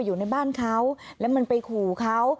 อยู่ในบ้านเขาแล้วมันไปขู่เขา